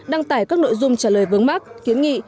đăng tải các nội dung trả lời vướng mắc kiến nghị